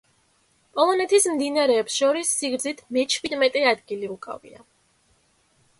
პოლონეთის მდინარეებს შორის სიგრძით მეჩვიდმეტე ადგილი უკავია.